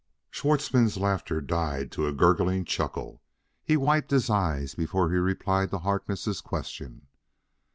Schwartzmann's laughter died to a gurgling chuckle. He wiped his eyes before he replied to Harkness' question.